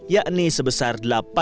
yakni sebesar delapan